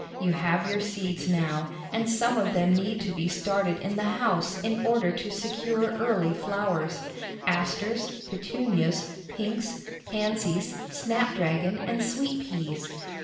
You have your seeds now, and some of them need to be started in the house in order to secure early flowers, Asters, Petunias, Pinks, Pansies, Snapdragon and Sweet Peas.